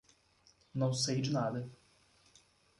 Não sei de nada.